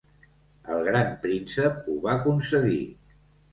El gran príncep ho va concedir.